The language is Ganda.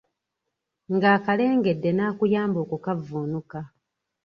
Ng’akalengedde n’akuyamba okukavvuunuka.